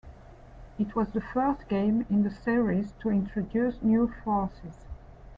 It was the first game in the series to introduce new Forces.